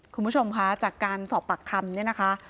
คุณผู้ชมคะจากการสอบปากคำเนี่ยนะคะ